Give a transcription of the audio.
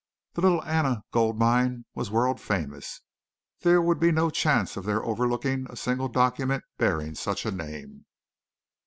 The Little Anna Gold Mine was world famous. There would be no chance of their overlooking a single document bearing such a name.